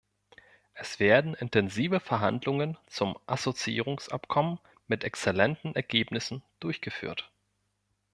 Es werden intensive Verhandlungen zum Assoziierungsabkommen mit exzellenten Ergebnissen durchgeführt.